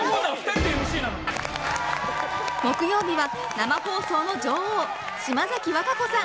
木曜日は生放送の女王島崎和歌子さん。